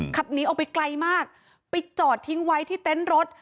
ขับหนีออกไปไกลมากไปจอดทิ้งไว้ที่เต็นต์รถ